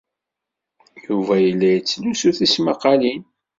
Yuba yella yettlusu tismaqqalin?